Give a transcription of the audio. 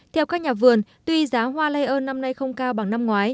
theo các nhà vườn tuy giá hoa lây ơn năm nay không cao bằng năm ngoái